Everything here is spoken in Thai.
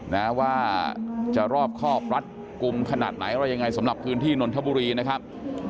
นะว่าจะรอบครอบรัดกลุ่มขนาดไหนอะไรยังไงสำหรับพื้นที่นนทบุรีนะครับ